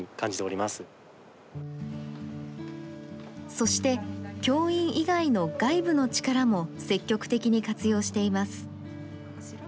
そして、教員以外の外部の力も積極的に活用しています。